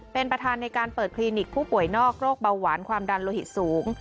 เป็นประธานในการเปิดคลินิกผู้ป่วยนอกโรคเบาหวานความดันโลหิตสูง